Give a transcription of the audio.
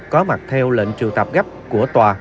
có mặt theo lệnh trừ tạp gấp của tòa